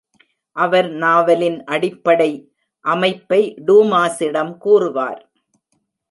அவர் நாவலின் அடிப்படை அமைப்பை டூமாஸிடம் கூறுவார்.